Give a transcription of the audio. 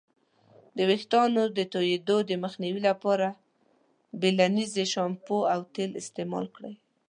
د ویښتانو د توییدو د مخنیوي لپاره بیلینزر شامپو او تیل استعمال کړئ.